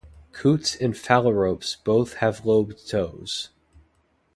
Coots and phalaropes both have lobed toes.